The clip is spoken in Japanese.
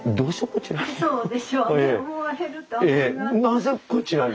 なぜこちらに？